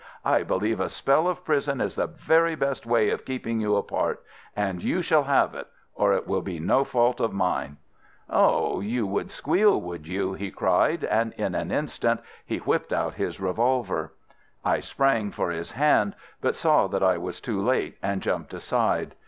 'I believe a spell of prison is the very best way of keeping you apart, and you shall have it, or it will be no fault of mine.' "'Oh, you would squeal, would you?' he cried, and in an instant he whipped out his revolver. I sprang for his hand, but saw that I was too late, and jumped aside.